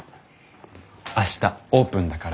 明日オープンだから。